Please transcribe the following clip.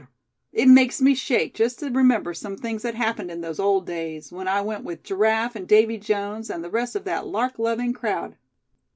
B r r! It makes me shake, just to remember some things that happened in those old days, when I went with Giraffe, and Davy Jones, and the rest of that lark loving crowd."